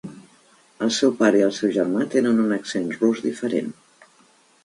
El seu pare i el seu germà tenen un accent rus diferent.